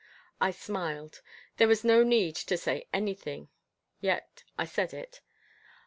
I smiled. There was no need to say anything, yet I said it.